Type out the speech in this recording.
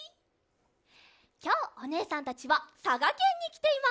きょうおねえさんたちはさがけんにきています！